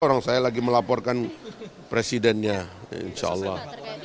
orang saya lagi melaporkan presidennya insya allah